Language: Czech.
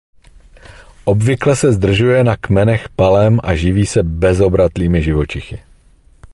Obvykle se zdržuje na kmenech palem a živí se bezobratlými živočichy.